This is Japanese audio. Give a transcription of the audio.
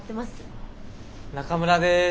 中村です。